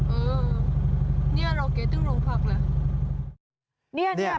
เออเรากูไปติดภักษ์ละ